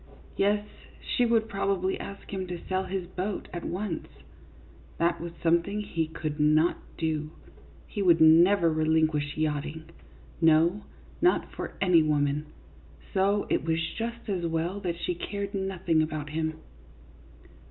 Yes, she would probably ask him to sell his boat at once. That was something that he could not do ; he would never relinquish yachting, no, not for any woman ; so it was just as well that she cared nothing about him.